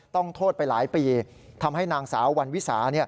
ต้องโทษไปหลายปีทำให้นางสาววันวิสา